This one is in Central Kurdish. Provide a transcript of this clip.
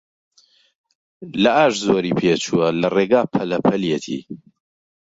لە ئاش زۆری پێچووە، لە ڕێگا پەلە پەلیەتی